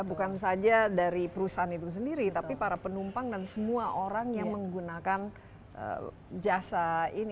bukan saja dari perusahaan itu sendiri tapi para penumpang dan semua orang yang menggunakan jasa ini